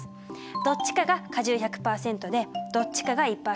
どっちかが果汁１００％でどっちかが１％。